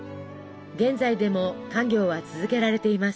現在でも家業は続けられています。